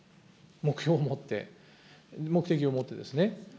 目標を持って、目的を持ってですね。